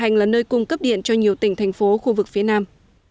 phận hành là nơi cung cấp điện cho nhiều tỉnh thành phố khu vực phía nam